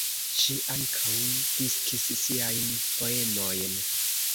Ŝi ankaŭ diskis siajn poemojn.